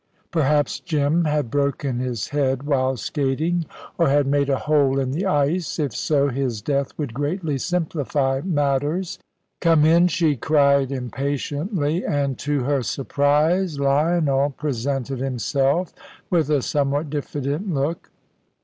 Perhaps Jim had broken his head while skating, or had made a hole in the ice. If so, his death would greatly simplify matters. "Come in," she cried impatiently, and to her surprise, Lionel presented himself, with a somewhat diffident look.